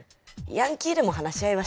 ヤンキーでも話し合いはしてる。